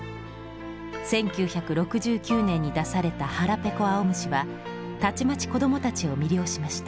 １９６９年に出された「はらぺこあおむし」はたちまち子どもたちを魅了しました。